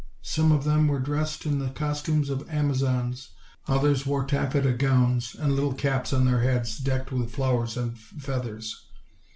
Some of them were dressed in the costumes of Amazons, others wore taffeta gowns, and little caps on their heads decked with flowers and feathers.